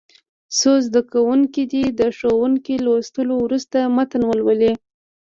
څو زده کوونکي دې د ښوونکي لوستلو وروسته متن ولولي.